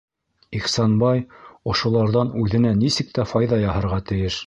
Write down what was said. Ихсанбай ошоларҙан үҙенә нисек тә файҙа яһарға тейеш.